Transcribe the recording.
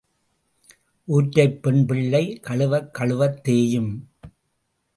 ஊற்றைப் பெண் பிள்ளை கழுவக் கழுவத் தேயும்.